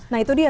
nah itu dia